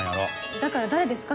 だから誰ですか？